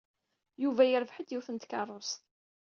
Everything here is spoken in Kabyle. Yuba yerbeḥ-d yiwet n tkeṛṛust.